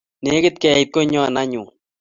Negit keit konyon anyun